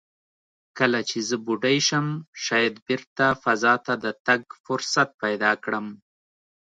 کله چې زه بوډۍ شم، شاید بېرته فضا ته د تګ فرصت پیدا کړم."